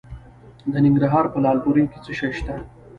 د ننګرهار په لعل پورې کې څه شی شته؟